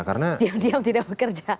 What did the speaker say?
diam diam tidak bekerja